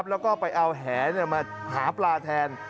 แล้วก็ไปเอาแหมาหาปลาแทน